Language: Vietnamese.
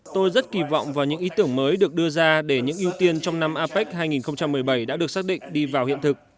tôi rất kỳ vọng vào những ý tưởng mới được đưa ra để những ưu tiên trong năm apec hai nghìn một mươi bảy đã được xác định đi vào hiện thực